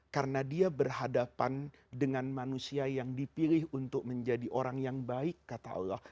karena dia berhadapan dengan manusia yang dipilih untuk menjadi orang yang baik kata allah